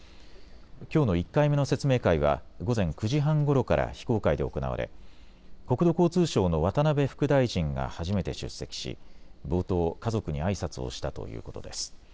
きょうの１回目の説明会は午前９時半ごろから非公開で行われ、国土交通省の渡辺副大臣が初めて出席し冒頭、家族にあいさつをしたということです。